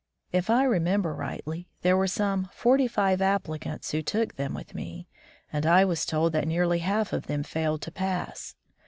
If I remember rightly, there were some forty five applicants who took them with me, and I was told that nearly half of them failed to pass.